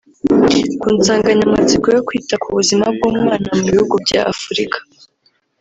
ku nsanganyamatsiko yo kwita ku buzima bw’umwana mu bihugu bya Afurika